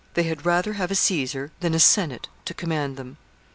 They had rather have a Caesar than a Senate to command them.